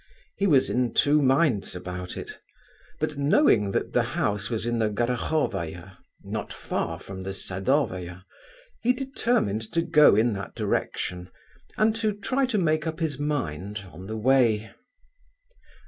He was in two minds about it, but knowing that the house was in the Gorohovaya, not far from the Sadovaya, he determined to go in that direction, and to try to make up his mind on the way.